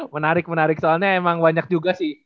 menarik menarik soalnya emang banyak juga sih